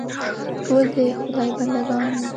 ټول د خدای بنده ګان یو.